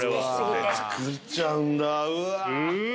作っちゃうんだうわ。